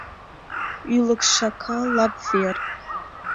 Ӱлыкшака — лап вер.